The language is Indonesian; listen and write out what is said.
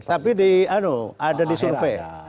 tapi di ada di survei